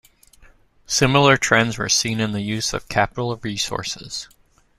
Similar trends were seen in the use of capital resources.